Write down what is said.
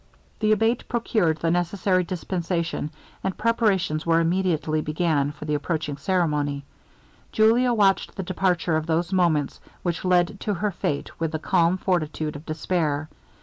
The Abate procured the necessary dispensation, and preparations were immediately began for the approaching ceremony. Julia watched the departure of those moments which led to her fate with the calm fortitude of despair.